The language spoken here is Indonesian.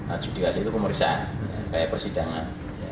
adjudikasi itu pemeriksaan kayak persidangan